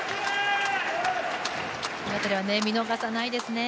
この辺り見逃さないですね。